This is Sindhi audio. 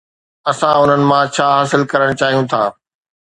اسان انهن مان ڇا حاصل ڪرڻ چاهيون ٿا؟